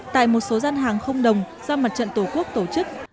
tại một số gian hàng không đồng do mặt trận tổ quốc tổ chức